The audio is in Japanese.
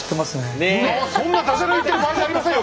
そんなダジャレ言ってる場合じゃありませんよ